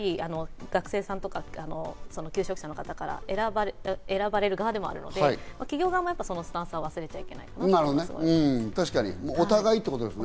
求職者の方から我々も選ばれる側でもあると思うので、企業側もそのスタンスは忘れちゃいけないと思います。